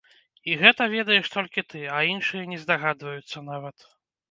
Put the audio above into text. І гэта ведаеш толькі ты, а іншыя не здагадваюцца нават.